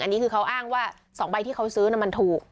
อันนี้คือเขาอ้างว่า๒ใบที่เขาซื้อมันถูก